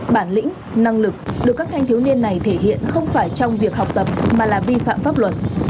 bản lĩnh năng lực được các thanh thiếu niên này thể hiện không phải trong việc học tập mà là vi phạm pháp luật